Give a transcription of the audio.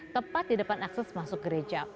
tepat di depan akses masuk gereja